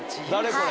これ。